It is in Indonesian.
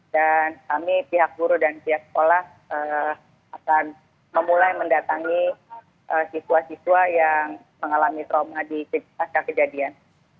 dan kami pihak guru dan pihak sekolah akan memulai mendatangi siswa siswa yang mengalami trauma di pasca kejadian